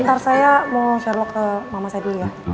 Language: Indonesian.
ntar saya mau share lock ke mama saya dulu ya